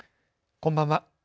こんばんは。